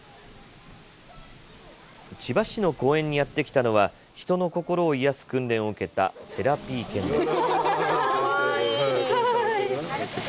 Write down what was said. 千葉市の公園にやって来たのは、人の心を癒やす訓練を受けたセラピー犬です。